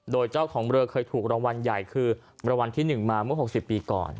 โดยเจ้าของเรือเคยถูกรางวัลใหญ่คือรางวัลที่๑มาเมื่อ๖๐ปีก่อน